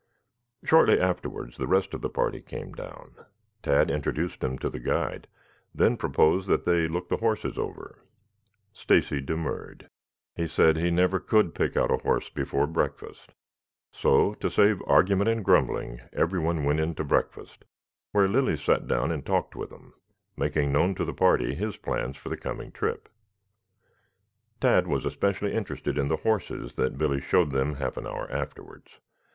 Shortly afterwards the rest of the party came down. Tad introduced them to the guide, then proposed that they look the horses over. Stacy demurred. He said he never could pick out a horse before breakfast, so, to save argument and grumbling, everyone went in to breakfast, while Lilly sat down and talked with them, making known to the party his plans for the coming trip. Tad was especially interested in the horses that Billy showed them half an hour afterwards.